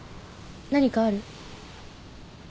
何かある？